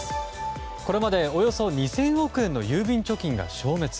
これまでおよそ２０００億円の郵便貯金が消滅。